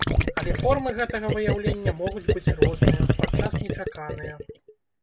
Але формы гэтага выяўлення могуць быць розныя, падчас нечаканыя.